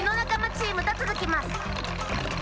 チームとつづきます。